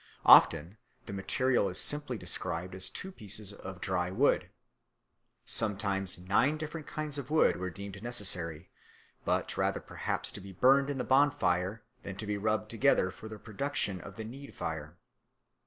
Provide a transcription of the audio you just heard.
Often the material is simply described as two pieces of dry wood. Sometimes nine different kinds of wood were deemed necessary, but rather perhaps to be burned in the bonfire than to be rubbed together for the production of the need fire.